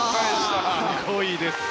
すごいです。